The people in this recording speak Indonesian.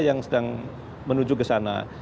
yang sedang menuju ke sana